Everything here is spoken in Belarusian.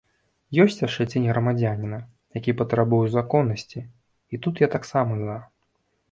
Ёсць яшчэ цень грамадзяніна, які патрабуе законнасці, і тут я таксама за.